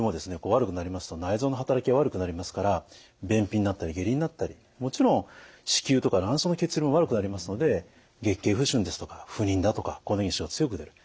悪くなりますと内臓の働きが悪くなりますから便秘になったり下痢になったりもちろん子宮とか卵巣の血流も悪くなりますので月経不順ですとか不妊だとか更年期症状が強く出る。